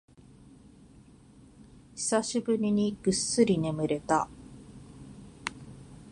久しぶりにぐっすり眠れた